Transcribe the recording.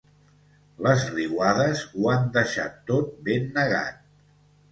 Les riuades ho han deixat tot ben negat.